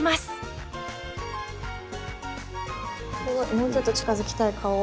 もうちょっと近づきたい顔を。